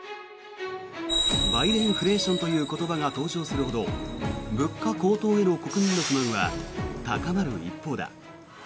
バイデンフレーションという言葉が登場するほど物価高騰への国民の不満は高まる一方だ。